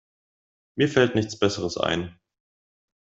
Mir fällt nichts Besseres ein.